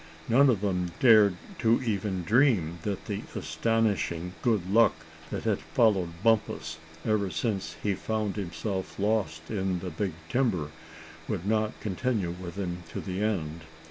None of them dared to even dream that the astonishing good luck that had followed Bumpus ever since he found himself lost in the big timber, would not continue with him to the end.